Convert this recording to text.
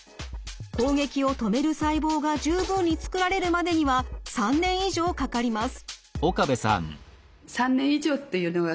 攻撃を止める細胞が十分に作られるまでには３年以上かかります。